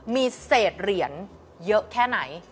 มีเศษเหรียญเยอะแค่ไหน